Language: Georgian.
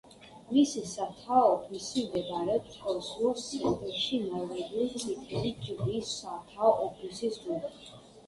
მისი სათაო ოფისი მდებარეობს ოსლოს ცენტრში, ნორვეგიული წითელი ჯვრის სათაო ოფისის გვერდით.